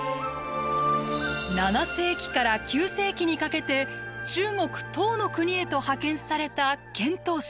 ７世紀から９世紀にかけて中国唐の国へと派遣された遣唐使。